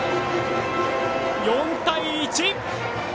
４対１。